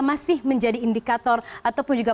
masih menjadi indikator ataupun juga